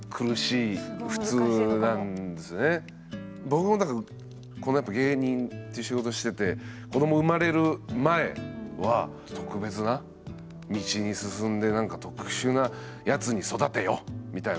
僕もだからこのやっぱ芸人っていう仕事してて子ども生まれる前は特別な道に進んで何か特殊なやつに育てよみたいなどっかで思ってたんですけど